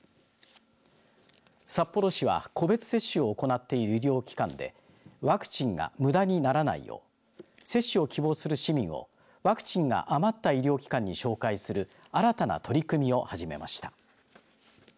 札幌市は個別接種を行っている医療機関でワクチンが無駄にならないよう接種を希望する市民をワクチンが余った医療機関に紹介する新たな取り組みを始めました。